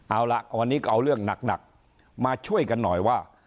เอาละวันนี้ก็เอาเรื่องหนักมาช่วยกันหน่อยว่า